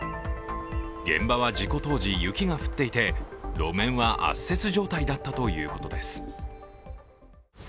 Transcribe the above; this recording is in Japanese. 現場は事故当時、雪が降っていて路面は圧雪状態だったということです。